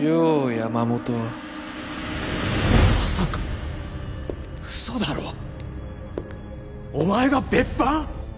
山本まさか嘘だろお前が別班？